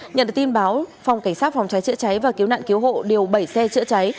nhận được tin báo phòng cảnh sát phòng cháy chữa cháy và cứu nạn cứu hộ điều bảy xe chữa cháy